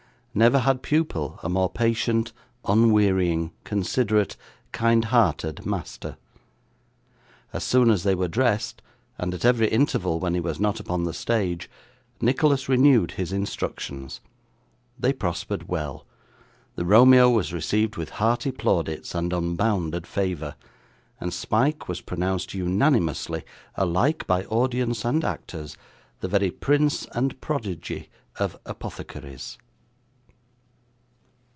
Never had pupil a more patient, unwearying, considerate, kindhearted master. As soon as they were dressed, and at every interval when he was not upon the stage, Nicholas renewed his instructions. They prospered well. The Romeo was received with hearty plaudits and unbounded favour, and Smike was pronounced unanimously, alike by audience and actors, the very prince and prodigy of Apothecaries.